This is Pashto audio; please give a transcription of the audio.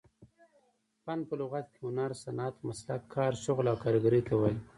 فن په لغت کښي هنر، صنعت، مسلک، کار، شغل او کاریګرۍ ته وايي.